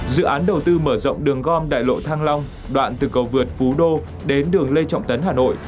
dự án đầu tư mở rộng đường gom đại lộ thăng long đoạn từ cầu vượt phú đô đến đường lê trọng tấn hà nội